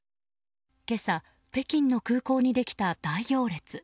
今朝、北京の空港にできた大行列。